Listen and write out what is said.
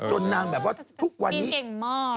นางแบบว่าทุกวันนี้เก่งมาก